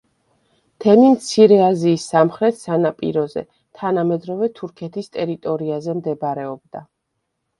თემი მცირე აზიის სამხრეთ სანაპიროზე, თანამედროვე თურქეთის ტერიტორიაზე მდებარეობდა.